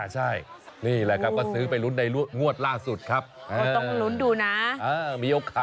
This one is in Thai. ใช่นี่แหละครับก็ซื้อไปลุ้นในงวดล่าสุดครับต้องลุ้นดูนะ